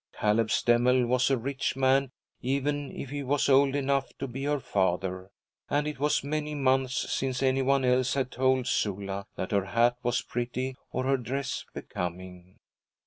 Caleb Stemmel was a rich man even if he was old enough to be her father, and it was many months since any one else had told Sula that her hat was pretty or her dress becoming.